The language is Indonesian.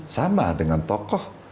sama dengan tokoh